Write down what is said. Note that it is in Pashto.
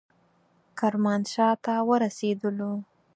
کرمانشاه ته ورسېدلو.